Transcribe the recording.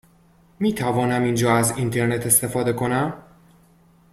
می توانم اینجا از اینترنت استفاده کنم؟